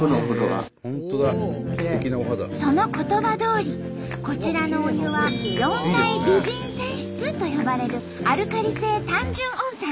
その言葉どおりこちらのお湯は「四大美人泉質」と呼ばれるアルカリ性単純温泉。